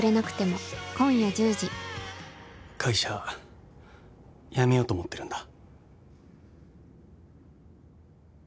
会社、辞めようと思ってるんだ。